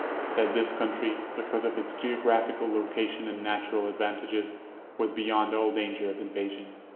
That this country, because of its geographical location and natural advantages, was beyond all danger of invasion.